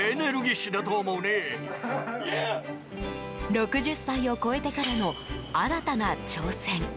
６０歳を超えてからの新たな挑戦。